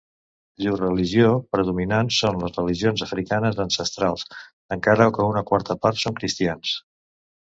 Llur religió predominant són les religions africanes ancestrals, encara que una quarta part són cristians.